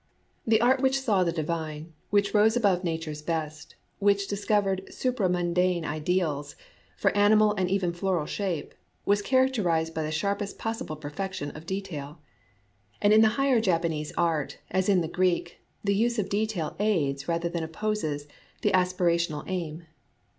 The art which saw the divine, which rose above nature's best, which discovered supramundane ideals for animal and even floral shapes, was character ized by the sharpest possible perfection of detail. And in the higher Japanese art, as in the Greek, the use of detail aids rather than opposes the aspirational aim.